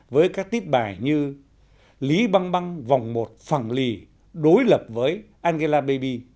với các tiết bài như lý băng băng vòng một phẳng lì đối lập với angela baby